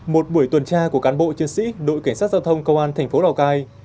một buổi tuần tra của cán bộ chiến sĩ đội cảnh sát giao thông công an thành phố lào cai